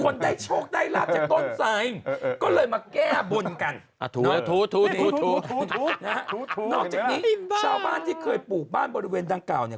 นอกจากนี้ชาวบ้านที่เคยปลูกบ้านบริเวณดังกล่าวเนี่ย